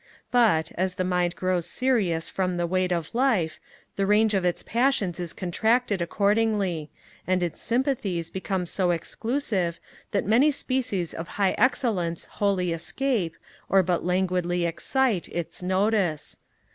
But, as the mind grows serious from the weight of life, the range of its passions is contracted accordingly; and its sympathies become so exclusive, that many species of high excellence wholly escape, or but languidly excite, its notice.